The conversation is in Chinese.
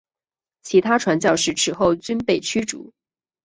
其他传教士此后均被驱逐。